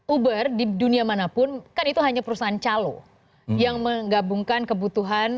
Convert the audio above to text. uber di dunia manapun kan itu hanya perusahaan calo yang menggabungkan kebutuhan